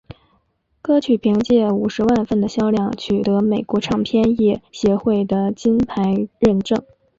歌曲凭借五十万份的销量取得美国唱片业协会的金牌认证。